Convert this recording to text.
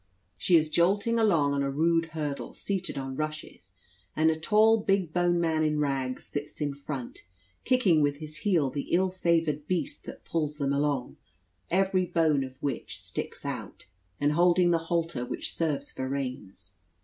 She is jolting along on a rude hurdle, seated on rushes, and a tall, big boned man, in rags, sits in front, kicking with his heel the ill favoured beast that pulls them along, every bone of which sticks out, and holding the halter which serves for reins.